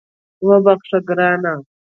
وبخښه ګرانه